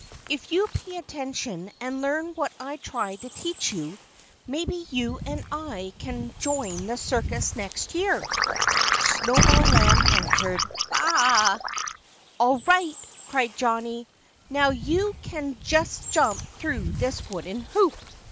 If you pay attention and learn what I try to teach you maybe you and I can join the circus next year." Snowball Lamb answered, "Baa a a!" "All right!" cried Johnnie. "Now you just jump through this wooden hoop!"